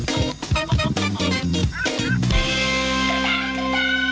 เราใส่ไข่สดไหมให้เยอะ